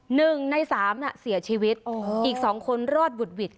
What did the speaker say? หนึ่งในสามน่ะเสียชีวิตอีกสองคนรอดบุดหวิด